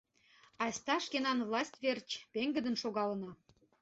Айста шкенан власть верч пеҥгыдын шогалына!